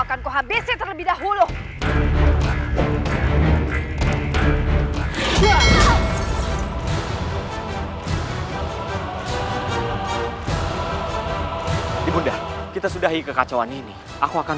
akan membahaselles cuapa berapa